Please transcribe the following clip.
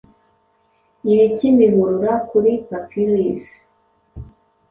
iri Kimihurura kuri Papyrus